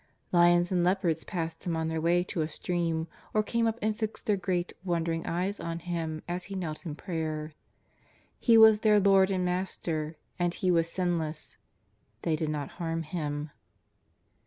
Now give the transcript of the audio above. Lions and leopards passed Him on their way to a stream, or came up and fixed their great, wondering eyes on Him as He knelt in prayer. He was their Lord and Master, and He was sinless — they did not harm Him.